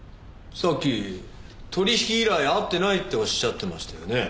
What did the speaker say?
さっき取引以来会ってないっておっしゃってましたよねえ。